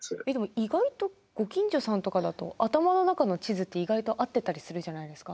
意外とご近所さんとかだと頭の中の地図って意外と合ってたりするじゃないですか。